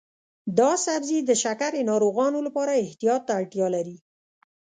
دا سبزی د شکرې ناروغانو لپاره احتیاط ته اړتیا لري.